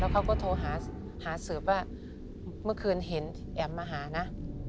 เขาก็โทรหาสืบว่าเมื่อคืนเห็นแอ๋มมาหานะ